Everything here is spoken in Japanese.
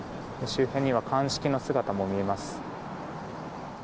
周辺には鑑識の姿も見えます。